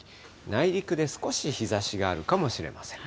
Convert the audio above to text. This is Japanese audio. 内陸で少し日ざしがあるかもしれません。